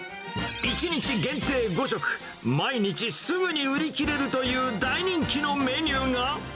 １日限定５食、毎日すぐに売り切れるという大人気のメニューが。